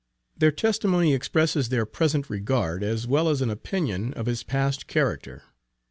Their testimony expresses their present regard as well as an opinion of his past character.